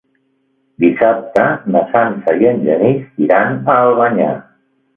Dissabte na Sança i en Genís iran a Albanyà.